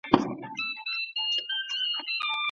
که د اوړي په ګرمۍ کي اوبه ډیري وڅښل سي، نو بدن نه وچیږي.